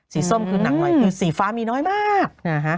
สีส้มคือหนังไวคือสีฟ้ามีน้อยมาก